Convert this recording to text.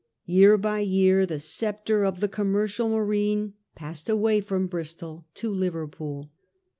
Year by year the sceptre of the commercial marine passed away from Bristol to Liverpool.